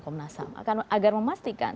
komnas ham agar memastikan